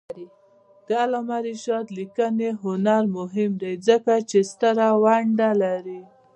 د علامه رشاد لیکنی هنر مهم دی ځکه چې ستره ونډه لري.